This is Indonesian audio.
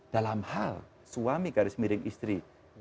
dalam hal suami garis miring istri